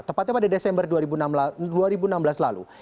tepatnya pada desember dua ribu enam belas lalu